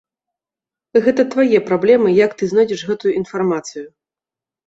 Гэта твае праблемы, як ты знойдзеш гэтую інфармацыю.